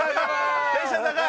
テンション高い。